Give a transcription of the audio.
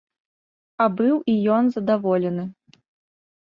А быў і ён здаволены.